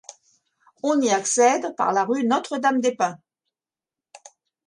On y accède par la rue Notre-Dame-des-Pins.